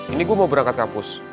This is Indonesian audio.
ini gue mau berangkat kampus